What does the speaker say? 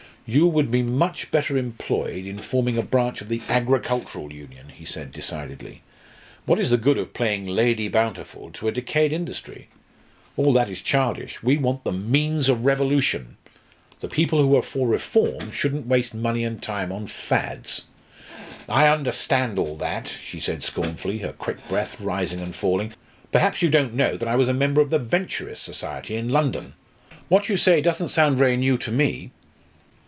"You would be much better employed in forming a branch of the Agricultural Union," he said decidedly. "What is the good of playing Lady Bountiful to a decayed industry? All that is childish; we want the means of revolution. The people who are for reform shouldn't waste money and time on fads." "I understand all that," she said scornfully, her quick breath rising and falling. "Perhaps you don't know that I was a member of the Venturist Society in London? What you say doesn't sound very new to me!"